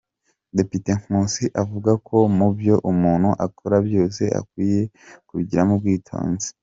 Depite Nkusi avuga ko mu byo umuntu akora byose akwiye kubigiramo ubwitonzi.